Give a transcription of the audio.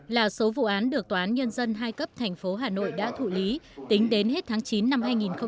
ba mươi là số vụ án được toán nhân dân hai cấp tp hà nội đã thụ lý tính đến hết tháng chín năm hai nghìn một mươi bảy